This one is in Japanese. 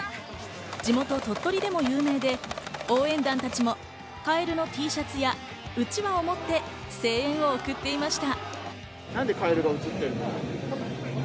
地元・鳥取でも有名で、応援団たちもカエルのＴシャツやうちわを持って声援を送っていました。